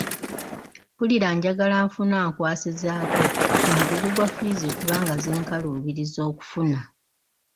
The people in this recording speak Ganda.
Mpulira njagala nfune ankwasizaako ku mugugu gwa ffiizi kubanga zinkaluubiriza okufuna.